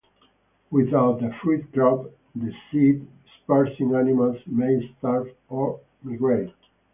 Without a fruit crop, the seed dispersing animals may starve or migrate.